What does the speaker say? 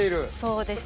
そうですね。